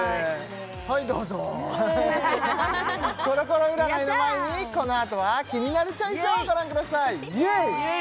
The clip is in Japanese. はいどうぞコロコロ占いの前にこのあとはイエイ「キニナルチョイス」をご覧くださいイエイ！